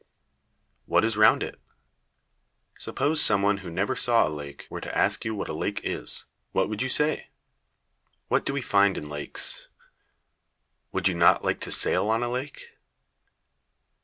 What is round it? Suppose some one who never saw a lake were to ask you what a lake is, what would you say? What do we find in lakes? Would you not like to sail on a lake?